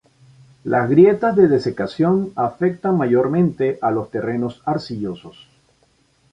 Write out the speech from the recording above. Las grietas de desecación afectan mayormente a los terrenos arcillosos.